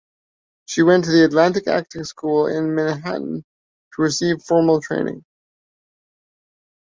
She went to the Atlantic Acting School in Manhattan to receive formal training.